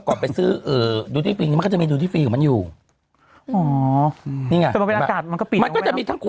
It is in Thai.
แล้วมันมี